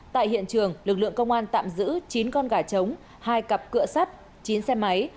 tại hiện trường lực lượng công an tạm giữ chín con gà trống hai cặp cửa sắt chín xe máy